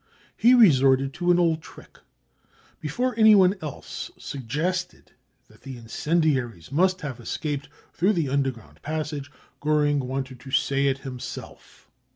He resorted to an old trick. Before anyone else suggested that the incendiaries must have escaped through the underground passage, Goering wanted to say it himself.